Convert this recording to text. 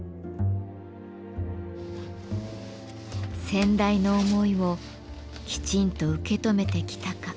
先代の思いをきちんと受け止めてきたか。